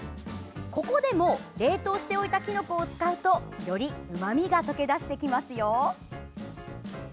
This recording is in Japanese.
ここでも冷凍しておいたきのこを使うとより、うまみが溶け出してきますよ。